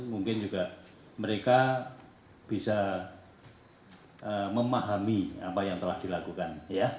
mungkin juga mereka bisa memahami apa yang telah dilakukan